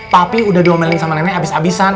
papi udah diomelin sama nenek abis abisan